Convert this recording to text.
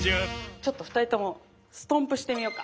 ちょっと２人ともストンプしてみようか。